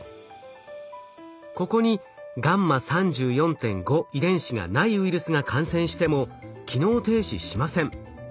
ここにγ３４．５遺伝子がないウイルスが感染しても機能停止しません。